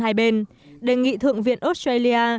hai bên đề nghị thượng viện australia